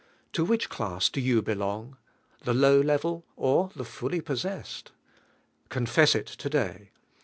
To which class do you belong? The low level, or the fully possessed? Confess it today.